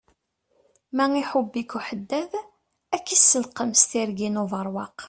Ma iḥubb-ik uḥeddad, ak iselqem s tirgin ubeṛwaq.